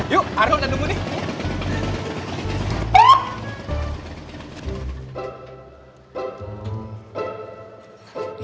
yuk arom nandung gue nih